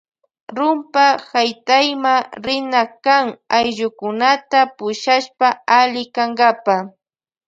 Rumpa haytayma rina kan ayllukunata pushashpa alli kankapa.